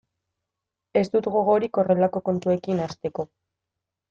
Ez dut gogorik horrelako kontuekin hasteko.